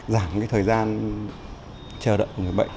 giảm thời gian chờ đợi người bệnh